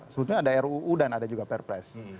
sebetulnya ada ruu dan ada juga perpres